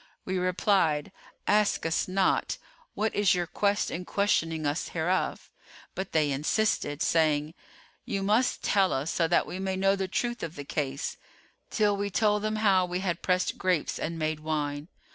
We replied, 'Ask us not, what is your quest in questioning us hereof?' But they insisted, saying, 'You must tell us so that we may know the truth of the case,' till we told them how we had pressed grapes and made wine.